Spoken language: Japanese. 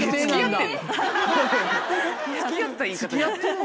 付き合った言い方。